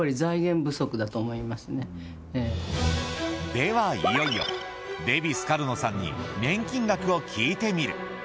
ではいよいよデヴィ・スカルノさんに年金額を聞いてみる。